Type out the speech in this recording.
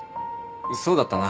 そうだったな。